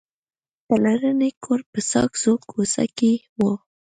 پلرنی کور یې په ساګزو کوڅه کې و.